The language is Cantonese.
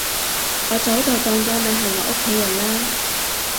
我早就當咗你係我屋企人喇